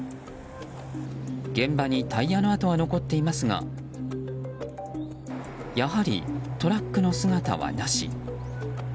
現場にタイヤの跡は残っていますがやはりトラックの姿はなし。